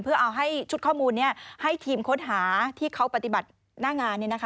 เพื่อเอาให้ชุดข้อมูลนี้ให้ทีมค้นหาที่เขาปฏิบัติหน้างาน